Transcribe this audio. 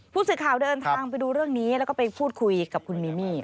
ผู้สื่อข่าวเดินทางไปดูเรื่องนี้แล้วก็ไปพูดคุยกับคุณมิมี่